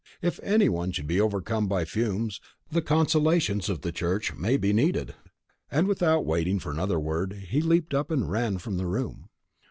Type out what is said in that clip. If any one should be overcome by fumes, the consolations of the church may be needed." And without waiting for another word, he leaped up and ran from the room.